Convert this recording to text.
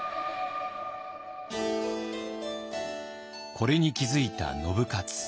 これに気付いた信雄。